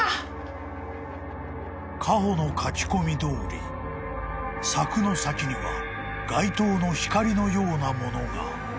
［ＫＡＨＯの書き込みどおり柵の先には街灯の光のようなものが］